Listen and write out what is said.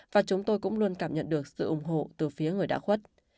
và chúng tôi cũng luôn cảm nhận được sự ủng hộ từ phía người đã khuất